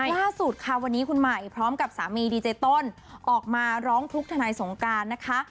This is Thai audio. ล่าสุดค่ะวันนี้คุณใหม่พร้อมกับสามีดีเจต้นออกมาร้องทุกข์ทนายสงการนะคะ